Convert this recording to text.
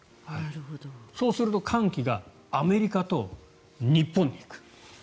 そうすると寒気がアメリカと日本に行く。